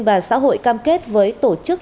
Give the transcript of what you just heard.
và xã hội cam kết với tổ chức